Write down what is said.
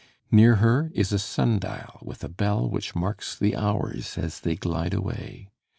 Near her is a sun dial with a bell which marks the hours as they glide away.